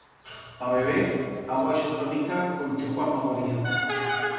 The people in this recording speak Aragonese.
Pa beber, agua isotonica con chuco a magoría.